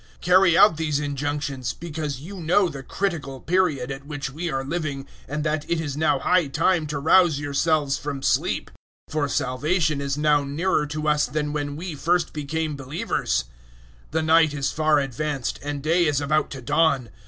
013:011 Carry out these injunctions because you know the critical period at which we are living, and that it is now high time, to rouse yourselves from sleep; for salvation is now nearer to us than when we first became believers. 013:012 The night is far advanced, and day is about to dawn.